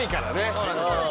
そうなんですよ。